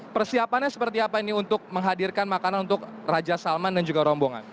persiapannya seperti apa ini untuk menghadirkan makanan untuk raja salman dan juga rombongan